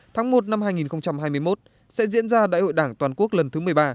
tháng một năm hai nghìn hai mươi một sẽ diễn ra đại hội đảng toàn quốc lần thứ một mươi ba